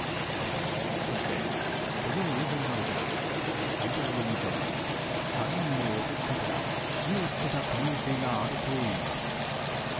そして、その映像などから斎藤容疑者は３人を襲ってから、火をつけた可能性があるといいます。